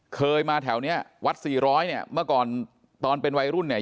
เคยมาแถวเนี้ยวัดสี่ร้อยเนี่ยเมื่อก่อนตอนเป็นวัยรุ่นเนี่ย